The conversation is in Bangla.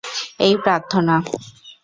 এই, প্রার্থনা।